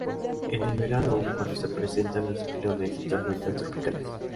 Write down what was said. Es en el verano cuando se presentan los ciclones y tormentas tropicales.